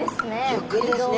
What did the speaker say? ゆっくりですね。